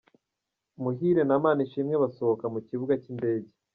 Muhire na Manishimwe basohoka mu kibuga k’indege